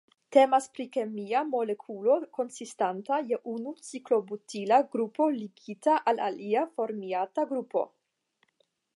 Temas pri kemia molekulo konsistanta je unu ciklobutila grupo ligita al alia formiata grupo.